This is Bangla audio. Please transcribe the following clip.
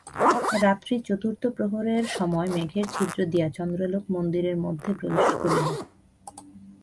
রাত্রি চতুর্থ প্রহরের সময় মেঘের ছিদ্র দিয়া চন্দ্রালোক মন্দিরের মধ্যে প্রবেশ করিল।